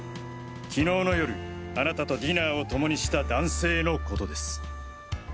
昨日の夜あなたとディナーを共にした男性のことです。